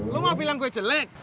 lo mau bilang gue jelek